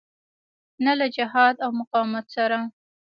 نه له جهاد او مقاومت سره.